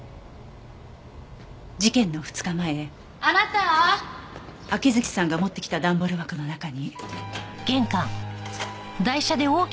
事件の２日前秋月さんが持ってきた段ボール箱の中に。